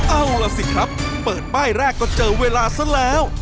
เอาล่ะสิครับเปิดป้ายแรกก็เจอเวลาซะแล้ว